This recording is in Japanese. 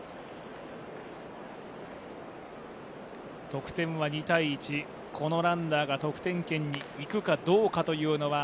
得点は２−１、このランナーが得点圏にいくかどうかというのは